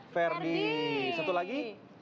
ferdi satu lagi